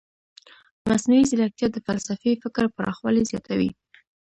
مصنوعي ځیرکتیا د فلسفي فکر پراخوالی زیاتوي.